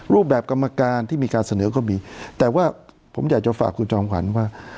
รูปแบบกรรมการที่มีการเสนอก็มีแต่ว่าผมอยากจะฝากคุณจอมขวัญว่า